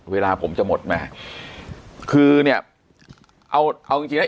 เวลาผมจะหมดแม่คือเนี่ยเอาเอาจริงจริงนะ